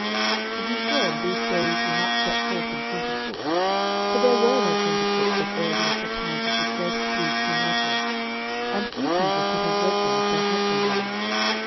To be sure, these stories were not set forth in printed books, for there were no printed books as early as the times of the first three King Edwards, and few people could have read them if there had been any.